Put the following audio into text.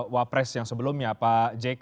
wapres yang sebelumnya pak j k